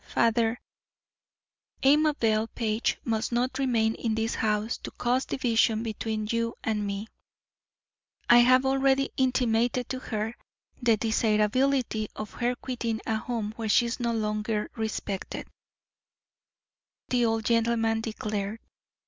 Father, Amabel Page must not remain in this house to cause division between you and me." "I have already intimated to her the desirability of her quitting a home where she is no longer respected," the old gentleman declared.